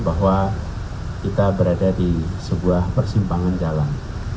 bahwa kita berada di sebuah persimpangan jalan